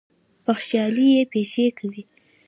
بخْشالۍ یې پېښې کوي.